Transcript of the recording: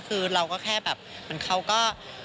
คือเราก็แค่แบบเขาก็